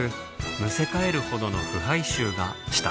「むせ返るほどの腐敗臭がした」